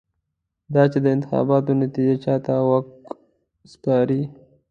دا چې د انتخاباتو نتېجه چا ته واک سپاري.